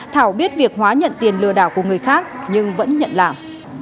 thảo biết việc hóa nhận tiền lừa đảo của người khác nhưng vẫn nhận làm